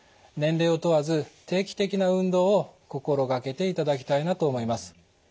年齢を問わず定期的な運動を心掛けていただきたいなと思います。